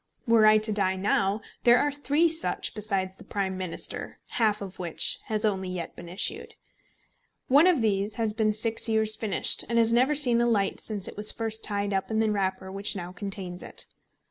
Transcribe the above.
Were I to die now there are three such besides The Prime Minister, half of which has only yet been issued. One of these has been six years finished, and has never seen the light since it was first tied up in the wrapper which now contains it.